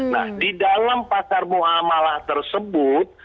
nah di dalam pasar ⁇ muamalah tersebut